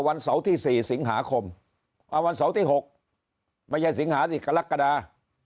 วันเสาร์ที่๔สิงหาคมวันเสาร์ที่๖ไม่ใช่สิงหาสิกรกฎา